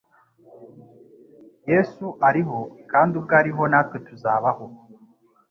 Yesu ariho kandi ubwo ariho natwe tuzabaho.